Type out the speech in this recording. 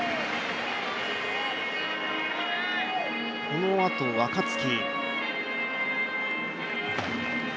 このあと若月。